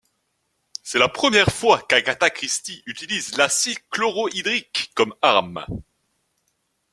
C'est la première fois qu'Agatha Christie utilise l'acide chlorhydrique comme arme.